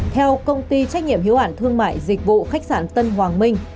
theo công ty trách nhiệm hiếu ản thương mại dịch vụ khách sản tân hoàng minh